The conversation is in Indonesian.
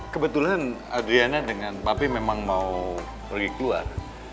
kebetulan adriana dengan bapi memang mau pergi keluar